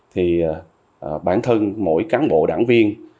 thì bản thân mỗi cán bộ đảng viên